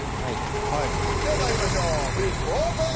はいではまいりましょうフリップオープン！